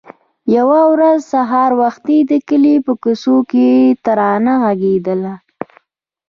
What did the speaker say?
يوه ورځ سهار وختي د کلي په کوڅو کې ترانه غږېدله.